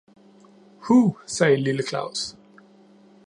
"Hu!" sagde lille Claus.